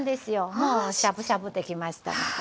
もうしゃぶしゃぶできましたので。